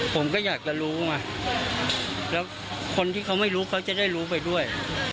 ผมก็อยากจะรู้ไงแล้วคนที่เขาไม่รู้เขาจะได้รู้ไปด้วย